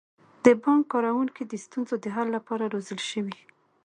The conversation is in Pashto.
د بانک کارکوونکي د ستونزو د حل لپاره روزل شوي.